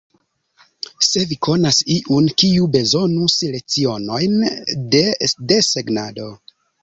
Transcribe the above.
Se vi konas iun, kiu bezonus lecionojn de desegnado.